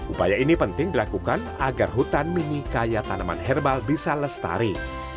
upaya ini penting dilakukan agar hutan mini kaya tanaman herbal bisa lestari